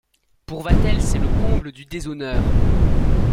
Pour Vatel, c’est le comble du déshonneur.